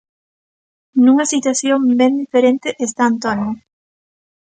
Nunha situación ben diferente está Antonio.